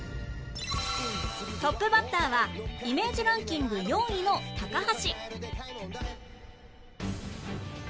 トップバッターはイメージランキング４位の高橋